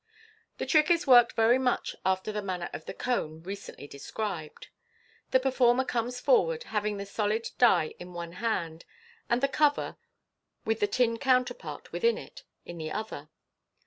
The trick is worked very much after the manner of the " cone," recently described. The performer comes forward, having the solid die in the one hand, and the cover, with the tin counterpart within it, in the other.